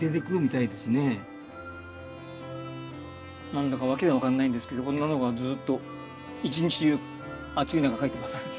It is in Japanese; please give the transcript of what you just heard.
何だか訳が分かんないんですけどこんなのがずっと一日中暑い中描いてます。